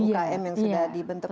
yang sudah dibentuk